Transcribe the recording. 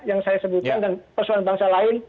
yang saya sebutkan dan persoalan bangsa lain